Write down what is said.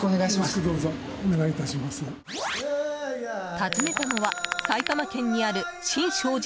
訪ねたのは埼玉県にある心照寺